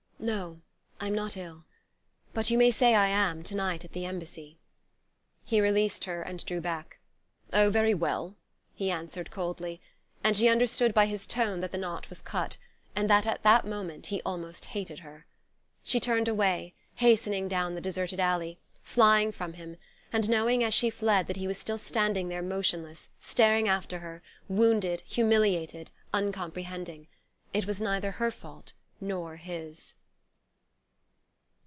"No; I'm not ill. But you may say I am, to night at the Embassy." He released her and drew back. "Oh, very well," he answered coldly; and she understood by his tone that the knot was cut, and that at that moment he almost hated her. She turned away, hastening down the deserted alley, flying from him, and knowing, as she fled, that he was still standing there motionless, staring after her, wounded, humiliated, uncomprehending. It was neither her fault nor his....